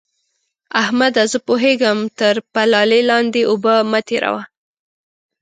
احمده! زه پوهېږم؛ تر پلالې لاندې اوبه مه تېروه.